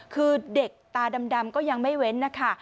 คือเด็กตาดำก็ยังไม่เว้นนะคะ